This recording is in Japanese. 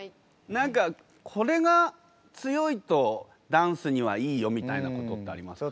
何かこれが強いとダンスにはいいよみたいなことってありますか？